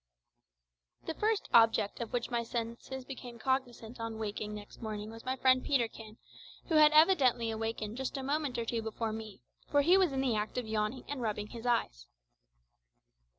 The first object of which my senses became cognisant on awaking next morning was my friend Peterkin, who had evidently awakened just a moment or two before me, for he was in the act of yawning and rubbing his eyes.